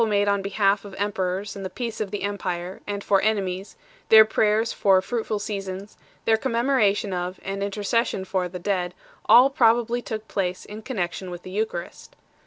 Tertullian, the faithful made on behalf of emperors and the peace of the empire 1 , and for enemies 2 ; their prayers for fruitful seasons 3 ; their commemoration of and inter cession for the dead 4 , all probably took place in connexion with the Eucharist 6